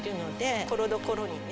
ところどころにね。